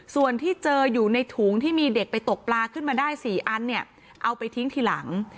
ส่วนที่เจออยู่ในถุงที่มีเด็กไปตกปลาขึ้นมาได้๔อันเนี่ยเอาไปทิ้งทีหลัง